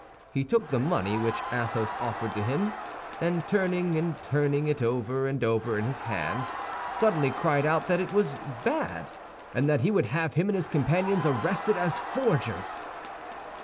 He took the money which Athos offered to him, and after turning and turning it over and over in his hands, suddenly cried out that it was bad, and that he would have him and his companions arrested as forgers.